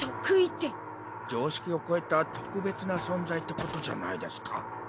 常識を超えた特別な存在ってことじゃないですか？